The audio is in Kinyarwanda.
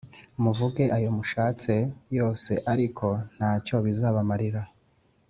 Muvuge ayo mushatse yose, ariko nta cyo bizabamarira,